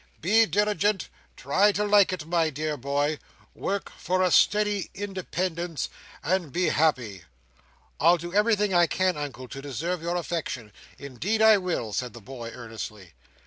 Be diligent, try to like it, my dear boy, work for a steady independence, and be happy!" "I'll do everything I can, Uncle, to deserve your affection. Indeed I will," said the boy, earnestly.